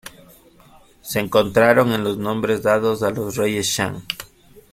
Se encontraron en los Nombres dados a los Reyes Shang.